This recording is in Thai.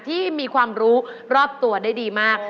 ที่มีความรู้รอบตัวได้ดีมาก